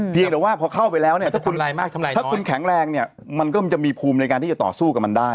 เพียงแต่ว่าพอเข้าไปแล้วเนี่ยถ้าคุณแข็งแรงเนี่ยมันก็จะมีภูมิในการที่จะต่อสู้กับมันได้